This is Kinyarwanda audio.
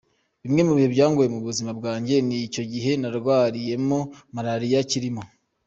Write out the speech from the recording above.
Bimwe mu bihe byangoye mu buzima bwanjye n’icyo gihe narwariyemo marariya kirimo.